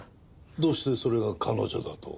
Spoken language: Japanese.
どうしてそれが彼女だと？